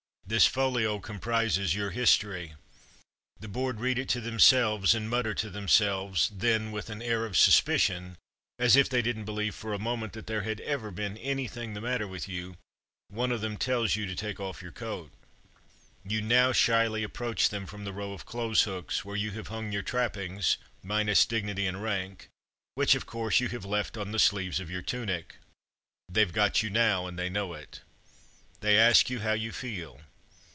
This folio comprises your history. The Board read it to themselves, and mutter to them selves; then with an air of suspicion, as if they didn't believe for a moment that there had ever been anything the matter with you, one of them tells you to take off your coat. (Business with Sam Browne and tunic.) You now shyly approach them from the row of clothes hooks, where you have hung your trappings, minus dignity and rank, Light Duty n which, of course, you have left on the sleeves of your tunic. They've got you now, and they know it. They ask you how you feel.